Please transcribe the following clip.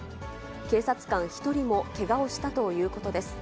警察官１人もけがをしたということです。